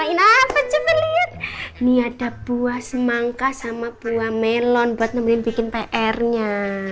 ini ada buah semangka sama buah melon buat nemenin bikin pr nya